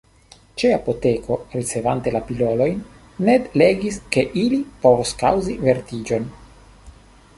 Ĉe apoteko, ricevante la pilolojn, Ned legis ke ili povos kaŭzi vertiĝon.